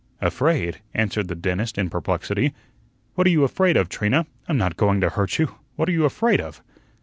"Afraid?" answered the dentist in perplexity. "What are you afraid of, Trina? I'm not going to hurt you. What are you afraid of?"